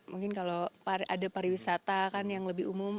mungkin kalau ada pariwisata kan yang lebih umum